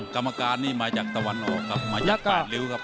กรรมการนี่มาจากตะวันออกครับมาจาก๘ริ้วครับ